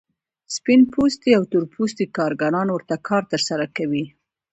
سپین پوستي او تور پوستي کارګران ورته کار ترسره کوي